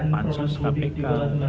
pan sus kpk